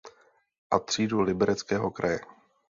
A třídu Libereckého kraje.